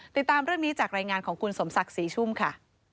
ติดตามเรื่องนี้จากรายงานของคุณสมศักดิ์ศรีชุ่มค่ะ